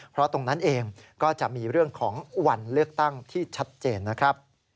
เพราะตรงนั้นเองก็จะมีเรื่องของวันเลือกตั้งที่ชัดเจนนะครับ